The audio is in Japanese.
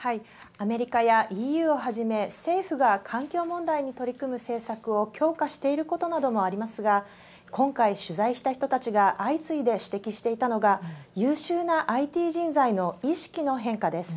アメリカやＥＵをはじめ政府が環境問題に取り組む政策を強化していることなどもありますが今回取材した人たちが相次いで指摘していたのが優秀なＩＴ人材の意識の変化です。